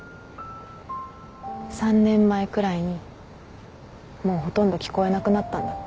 ３年前くらいにもうほとんど聞こえなくなったんだって。